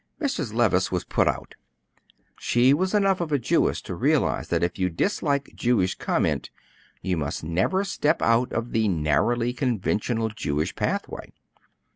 Mrs. Levice was put out. She was enough of a Jewess to realize that if you dislike Jewish comment, you must never step out of the narrowly conventional Jewish pathway.